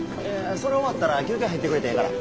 それ終わったら休憩入ってくれてええから。